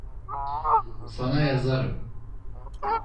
Sana yazarım.